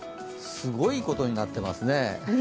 すごいことになってますね。